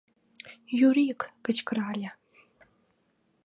— Юрик! — кычкырале.